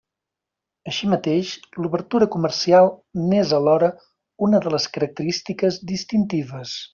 Així mateix, l'obertura comercial n'és alhora una de les característiques distintives.